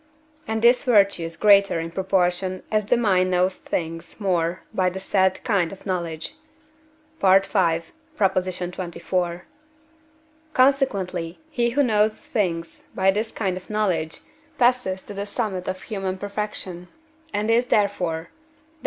and this virtue is greater in proportion as the mind knows things more by the said kind of knowledge (V. xxiv.): consequently, he who knows things by this kind of knowledge passes to the summit of human perfection, and is therefore (Def.